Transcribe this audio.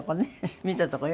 見たとこよ。